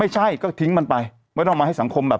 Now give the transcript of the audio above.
ไม่ใช่ก็ทิ้งมันไปไม่ต้องมาให้สังคมแบบ